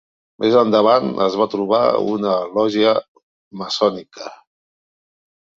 Més endavant es va trobar una lògia maçònica.